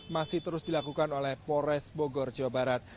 masih terus dilakukan oleh polres bogor jawa barat